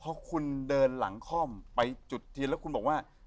เพราะคุณเดินหลังค่อมไปจุดเทียนแล้วคุณบอกว่า